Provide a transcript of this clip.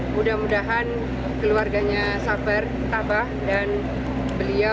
mudah mudahan keluarganya sabar tabah dan beliau